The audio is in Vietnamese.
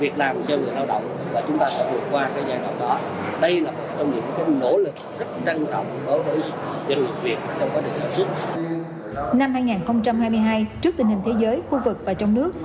chủ động và đứng vững được thị trường trong nước